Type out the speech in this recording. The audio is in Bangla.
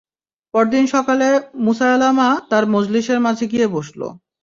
পরদিন সকালে মুসায়লামা তার মজলিসের মাঝে গিয়ে বসল।